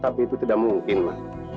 tapi itu tidak mungkin pak